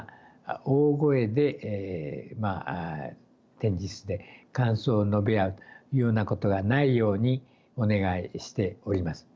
大声で展示室で感想を述べ合うというようなことはないようにお願いしております。